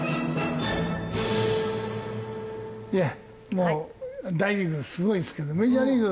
もう大リーグすごいですけどメジャーリーグ